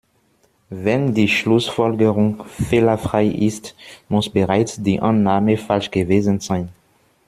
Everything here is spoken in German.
Wenn die Schlussfolgerung fehlerfrei ist, muss bereits die Annahme falsch gewesen sein.